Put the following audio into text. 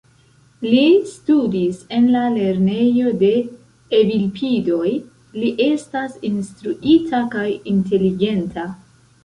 Li studis en la lernejo de «Evelpidoj», li estas instruita kaj inteligenta.